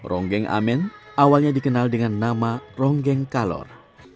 ronggeng amen awalnya dikenal dengan nama ronggeng kalor